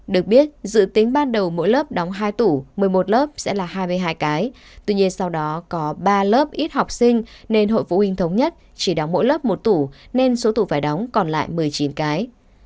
được biết dự tính ban đầu mỗi lớp đóng hai tủ một mươi một lớp sẽ là hai mươi hai cái tuy nhiên sau đó có ba lớp ít học sinh nên hội phụ huynh thống nhất chỉ đóng mỗi lớp một tủ nên số tủ phải đóng còn lại một mươi chín cái